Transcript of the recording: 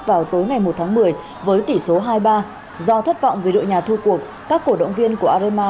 vào tối ngày một tháng một mươi với tỷ số hai mươi ba do thất vọng về đội nhà thu cuộc các cổ động viên của arema